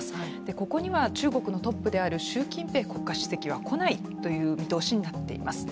ここには中国のトップである習近平国家主席は来ないという見通しになっています。